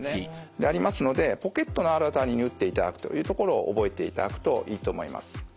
でありますのでポケットのある辺りに打っていただくというところを覚えていただくといいと思います。